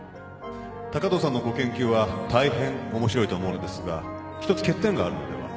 高藤さんのご研究は大変面白いと思うのですが一つ欠点があるのでは？